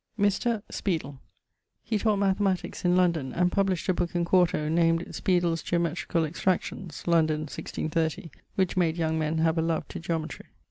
= Mr. ... Spiedell: he taught mathematiques in London, and published a booke in quarto named Spiedel's Geometrical Extractions (London, 163 ), which made young men have a love to geometrie.